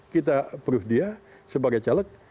kita approve dia sebagai caleg